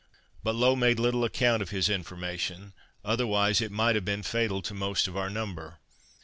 But Low made little account of his information, otherwise it might have been fatal to most of our number.